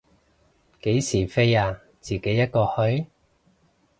幾時飛啊，自己一個去？